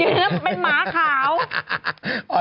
เป็นหมาขาว